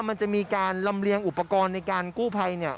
มันจะมีการลำเลียงอุปกรณ์ในการกู้ภัยเนี่ย